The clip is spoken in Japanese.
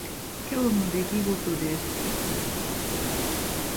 今日の出来事です。